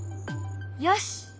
よし！